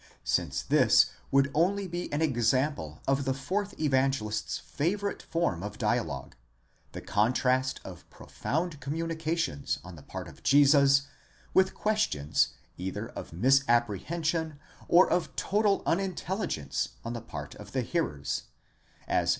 since this would only be an example of the fourth Evangelist's favourite form of dialogue, the contrast of profound communications on the part of Jesus, with questions either of misapprehension or of total unintelligence on the part of the hearers, as xii.